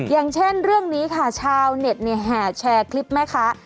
อย่างเช่นเรื่องนี้ค่ะชาวเน็ตเนี่ยแห่แชร์คลิปมั้ยคะ